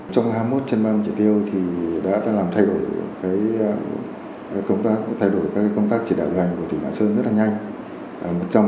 trong hai mươi một trên ba mươi chỉ tiêu thì đã làm thay đổi các công tác chỉ đảo điều hành của tỉnh lạng sơn rất là nhanh